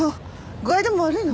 具合でも悪いの？